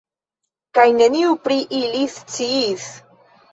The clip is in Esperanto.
Kaj neniu pri ili sciis.